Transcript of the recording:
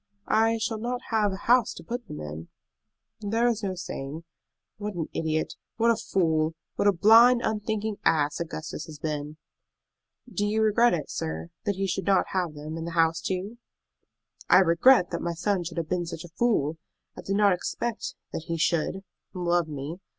"I shall not have a house to put them in." "There is no saying. What an idiot, what a fool, what a blind, unthinking ass Augustus has been!" "Do you regret it, sir, that he should not have them and the house too?" "I regret that my son should have been such a fool! I did not expect that he should love me.